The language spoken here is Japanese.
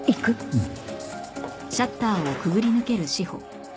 うん。